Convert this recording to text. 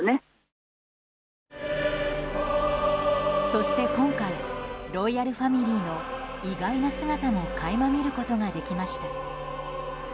そして今回ロイヤルファミリーの意外な姿も垣間見ることができました。